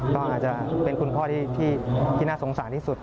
ก็อาจจะเป็นคุณพ่อที่น่าสงสารที่สุด